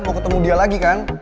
mau ketemu dia lagi kan